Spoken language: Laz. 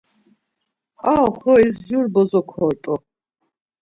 Ar oxoris jur bozo kort̆u.